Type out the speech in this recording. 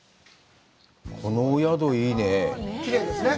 このお宿いいね。